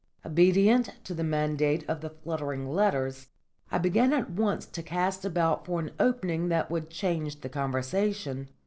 Obedient to the mandate of the fluttering letters, I began at once to cast about for an opening that would change the conversation.